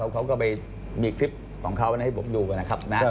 เขาก็ไปมีคลิปของเขานะให้ผมดูนะครับ